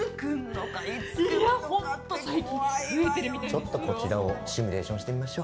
ちょっとこちらをシミュレーションしてみましょう。